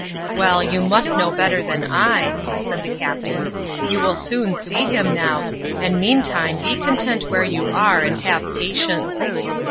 "Well, you must know better than I," said the captain. "You will soon see him now, and meantime be content where you are and have patience."